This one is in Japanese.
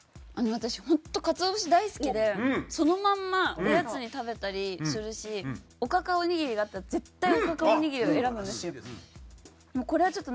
私ホント鰹節大好きでそのまんまおやつに食べたりするしおかかおにぎりがあったら絶対おかかおにぎりを選ぶんですよ。